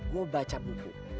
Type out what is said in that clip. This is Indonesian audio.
gue baca buku